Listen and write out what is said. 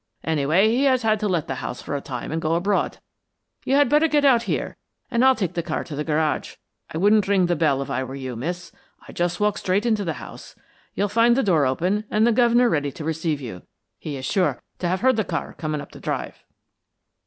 Anyway, he has had to let the house for a time and go abroad. You had better get out here, and I'll take the car to the garage. I wouldn't ring the bell if I were you, miss. I'd just walk straight into the house. You'll find the door open and the guv'nor ready to receive you. He is sure to have heard the car coming up the drive."